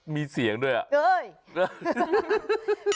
มีเสียงด้วยอ่ะ